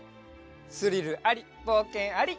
スリルありぼうけんあり。